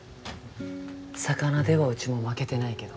魚ではうちも負けてないけど。